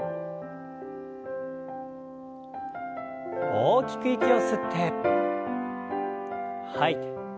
大きく息を吸って吐いて。